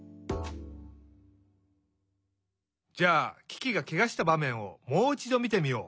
じゃあキキがケガしたばめんをもういちどみてみよう。